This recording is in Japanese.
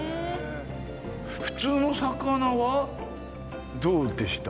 普通の魚はどうでした？